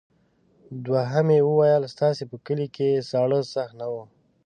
دوهم یې وویل ستاسې په کلي کې ساړه سخت نه وو.